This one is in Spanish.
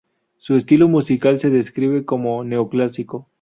Su estilo musical se describe como neoclásico.